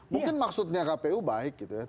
mungkin maksudnya kpu baik gitu ya